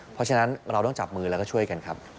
เพราะฉะนั้นเราต้องจับมือแล้วก็ช่วยกันครับ